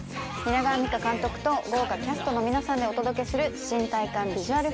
蜷川実花監督と豪華キャストの皆さんでお届けする新体感ビジュアル